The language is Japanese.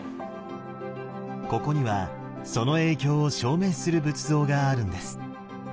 ここにはその影響を証明する仏像があるんです。